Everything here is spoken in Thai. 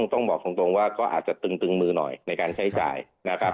ต้องบอกตรงว่าก็อาจจะตึงมือหน่อยในการใช้จ่ายนะครับ